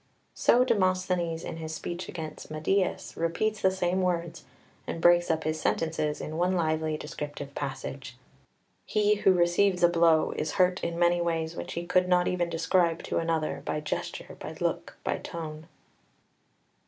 So Demosthenes in his speech against Meidias repeats the same words and breaks up his sentences in one lively descriptive passage: "He who receives a blow is hurt in many ways which he could not even describe to another, by gesture, by look, by tone."